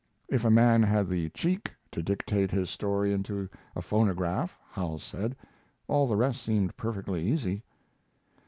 If a man had the "cheek" to dictate his story into a phonograph, Howells said, all the rest seemed perfectly easy.